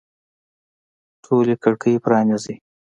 ټولي کړکۍ پرانیزئ